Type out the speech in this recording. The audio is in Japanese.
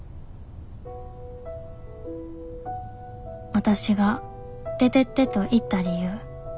わたしが「出てって」と言った理由。